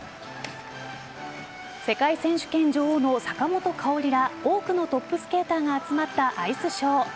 世界選手権女王の坂本花織ら多くのトップスケーターが集まったアイスショー。